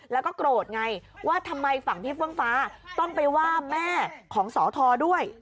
แล้วก็โกรธไงว่าทำไมฝั่งพี่เฟื้องฟ้าต้องไปว่าแม่ของสอทรด้วย